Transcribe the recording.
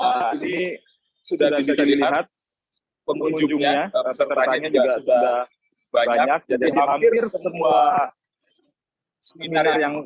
tadi saya lihat dari sana mau ngecek karena ada delegasi di kanada juga ingin melihat